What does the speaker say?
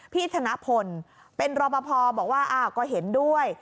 พี่ธนพลเป็นรปภบอกว่าก็เห็นด้วย